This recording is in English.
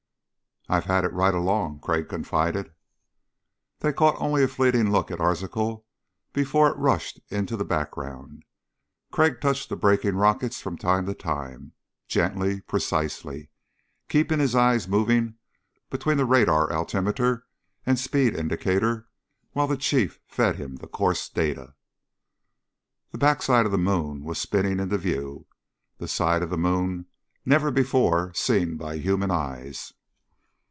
"I've had it right along," Crag confided. They caught only a fleeting look at Arzachel before it rushed into the background. Crag touched the braking rockets from time to time, gently, precisely, keeping his eyes moving between the radar altimeter and speed indicator while the Chief fed him the course data. The back side of the moon was spinning into view the side of the moon never before seen by human eyes.